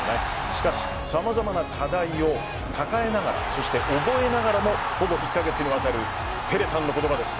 しかし様々な課題を抱えながらそして覚えながらもほぼ１カ月にわたるペレさんの言葉です。